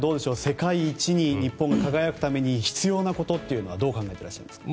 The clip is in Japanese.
世界一に日本が輝くために必要なことというのはどう考えていらっしゃいますか？